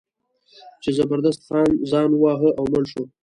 چې زبردست خان ځان وواهه او مړ شو.